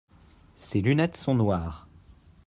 Ses lunettes sont noires.